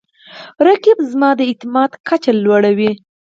رقیب زما د اعتماد کچه لوړوي